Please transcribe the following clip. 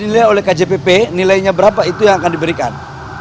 nilai oleh kjpp nilainya berapa itu yang akan diberikan